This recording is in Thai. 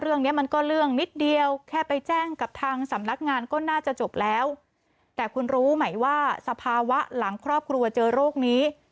เรื่องนี้มันก็เรื่องนิดเดียวแค่ไปแจ้งกับทางสำนักงานก็น่าจะจบแล้วแต่คุณรู้ไหมว่าสภาวะหลังครอบครัวเจอโรคนี้